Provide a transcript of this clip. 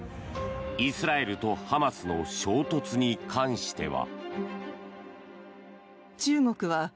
イスラエルとハマスの衝突に関しては。